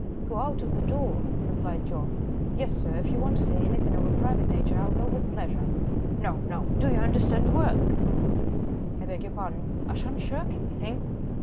"Go out of the door?" replied Joe. "Yes sir, if you want to say anything of a private nature, I'll go with pleasure." "No! no! do you understand work?" "I beg your pardon, I sha'n't shirk anything."